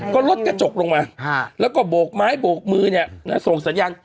ก็ลดกระจกลงมาแล้วก็โบกไม้โบกมือเนี่ยนะส่งสัญญาณ